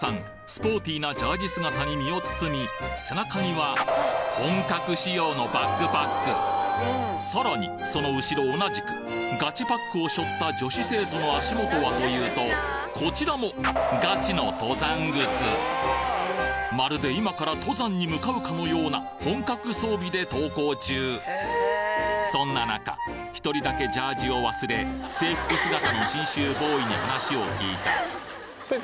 スポーティーなジャージ姿に身を包み背中にはさらにその後ろ同じくガチパックを背負った女子生徒の足元はというとこちらもまるで今から登山に向かうかのような本格装備で登校中そんな中１人だけジャージを忘れそうなんですか。